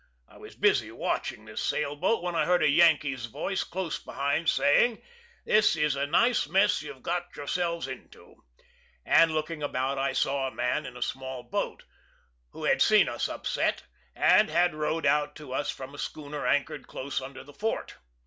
I was busy watching this sail boat, when I heard a Yankee's voice, close behind, saying, "This is a nice mess you've got yourselves into," and looking about I saw a man in a small boat, who had seen us upset, and had rowed out to us from a schooner anchored close under the fort.